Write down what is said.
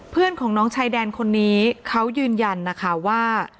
เพื่อนของน้องชายแดนคนนี้เขายืนยันนะคะว่า